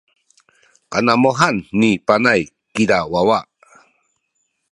kanamuhen na Panay kiza wawa.